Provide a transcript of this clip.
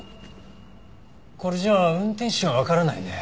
これじゃ運転手はわからないね。